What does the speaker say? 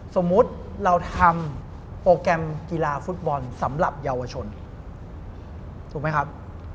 สมมุติเราทำโปรแกรมกีฬาฟุตบอลสำหรับเยาวชนถูกไหมครับ